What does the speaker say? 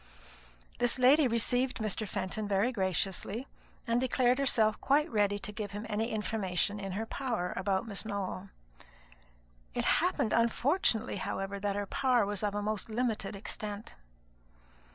This lady received Mr. Fenton very graciously, and declared herself quite ready to give him any information in her power about Miss Nowell. It happened unfortunately, however, that her power was of a most limited extent.